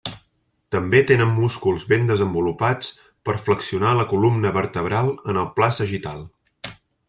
També tenen músculs ben desenvolupats per flexionar la columna vertebral en el pla sagital.